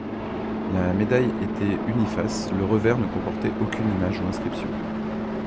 La médaille était uni face, le revers ne comportait aucune image ou inscription.